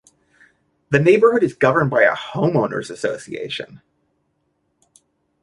The neighborhood is governed by a homeowners association.